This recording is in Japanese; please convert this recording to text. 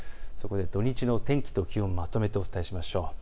土日の天気と気温をまとめてお伝えしましょう。